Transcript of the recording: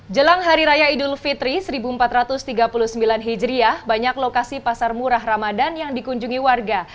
jelang hari raya idul fitri seribu empat ratus tiga puluh sembilan hijriah banyak lokasi pasar murah ramadan yang dikunjungi warga